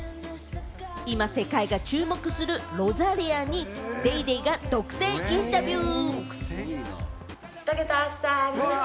今世界が注目するロザリアに『ＤａｙＤａｙ．』が独占インタビュー。